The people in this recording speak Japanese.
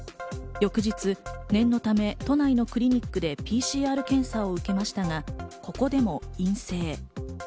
翌日、念のため都内のクリニックでＰＣＲ検査を受けましたが、ここでも陰性。